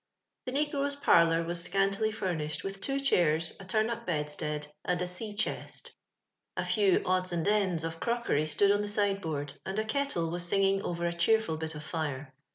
.The negro's parlour was scantily ftimished with two chairs, a turn up bedstead, and a sea chest A few odds and ends of crockery stood on the sideboard, and a kettle was singing over a cheerful bit of fire.